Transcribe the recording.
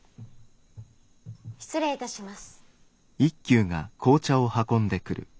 失礼いたします。